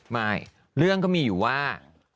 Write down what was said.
ไม่เรื่องก็มีอยู่ว่า